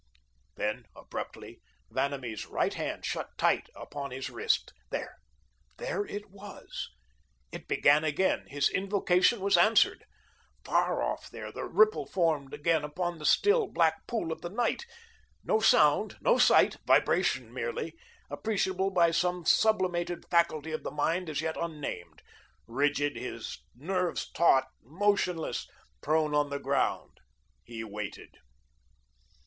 Then, abruptly, Vanamee's right hand shut tight upon his wrist. There there it was. It began again, his invocation was answered. Far off there, the ripple formed again upon the still, black pool of the night. No sound, no sight; vibration merely, appreciable by some sublimated faculty of the mind as yet unnamed. Rigid, his nerves taut, motionless, prone on the ground, he waited.